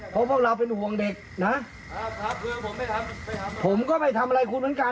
เพราะพวกเราเป็นห่วงเด็กนะครับผมก็ไม่ทำอะไรคุณเหมือนกัน